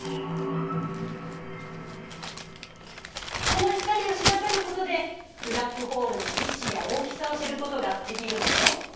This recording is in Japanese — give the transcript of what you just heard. この光を調べることでブラックホールの位置や大きさを知ることができるのよ。